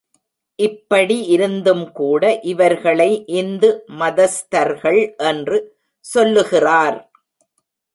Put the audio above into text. இப்படி இருந்தும்கூட, இவர்களை இந்து மதஸ்தர்கள் என்று சொல்லுகிறார்.